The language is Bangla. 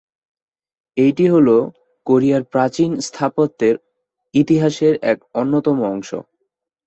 এইটি হল কোরিয়ার প্রাচীন স্থাপত্যের ইতিহাসের এক অন্যতম অংশ।